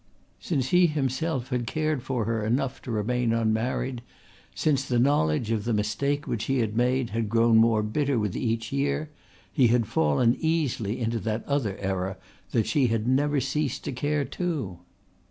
Since he himself had cared for her enough to remain unmarried, since the knowledge of the mistake which he had made had grown more bitter with each year, he had fallen easily into that other error that she had never ceased to care too.